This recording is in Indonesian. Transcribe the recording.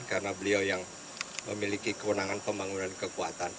karena beliau yang memiliki kewenangan pembangunan kekuatan